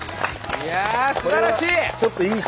いやあすばらしい！